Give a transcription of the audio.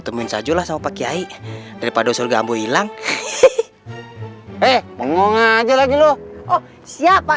temuin sajalah sama pakai dari pada surga ambo hilang eh ngomong aja lagi loh oh siapa